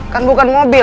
kan bukan mobil